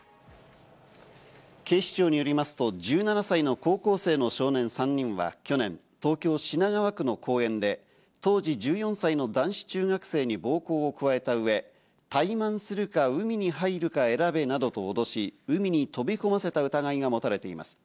警視庁によりますと１７歳の高校生の少年３人は去年、東京・品川区の公園で当時１４歳の男子中学生に暴行を加えたうえ、タイマンするか海に入るか選べなどと脅し、海に飛び込ませた疑いが持たれています。